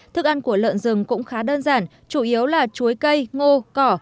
thức ăn của lợn rừng cũng khá đơn giản chủ yếu là chuối cây ngô cỏ